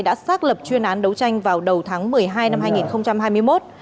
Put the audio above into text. đã xác lập chuyên án đấu tranh vào đầu tháng một mươi hai năm hai nghìn hai mươi một